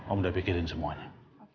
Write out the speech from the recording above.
om udah pikirin semuanya